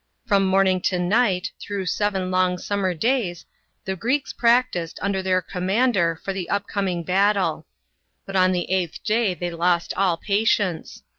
From morning to night, through seven long summer days, the Greeks practised, under their commander, for the coming battle. But on the eighth day they lost all patience.